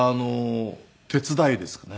手伝いですかね。